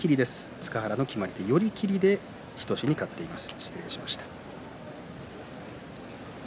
塚原は寄り切りで日翔志に勝っています。